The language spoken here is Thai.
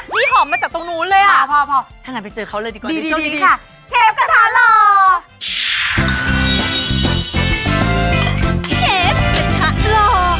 นี่หอมมาจากตรงนู้นเลยอ่ะพอถ้างั้นไปเจอเขาเลยดีกว่าเชฟกระทะหล่อ